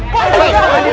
tahan dipin tahan dipin